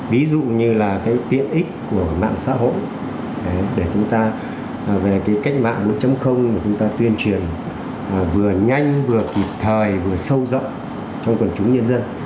ví dụ như là cái tiện ích của mạng xã hội để chúng ta về cái cách mạng bốn mà chúng ta tuyên truyền vừa nhanh vừa kịp thời vừa sâu rộng trong quần chúng nhân dân